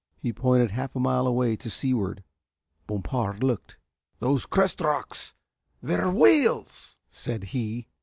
He pointed half a mile away to seaward. Bompard looked. "Those crest rocks, they're whales," said he.